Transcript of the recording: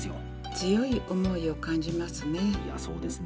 強い思いを感じますね。